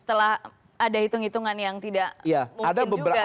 setelah ada hitung hitungan yang tidak